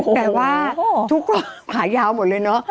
แต่ว่าทุกคนขายาวหมดเลย